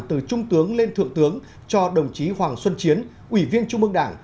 từ trung tướng lên thượng tướng cho đồng chí hoàng xuân chiến ủy viên trung mương đảng